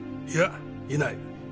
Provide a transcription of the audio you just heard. いやいない。